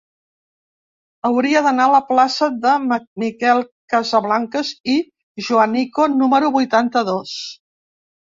Hauria d'anar a la plaça de Miquel Casablancas i Joanico número vuitanta-dos.